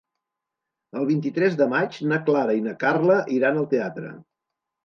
El vint-i-tres de maig na Clara i na Carla iran al teatre.